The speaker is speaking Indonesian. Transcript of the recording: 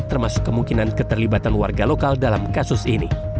termasuk kemungkinan keterlibatan warga lokal dalam kasus ini